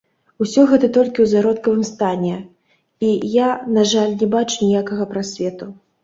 Усё гэта толькі ў зародкавым стане, і я, на жаль, не бачу ніякага прасвету.